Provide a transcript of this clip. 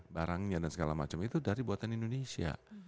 barangnya dan segala macam itu dari buatan indonesia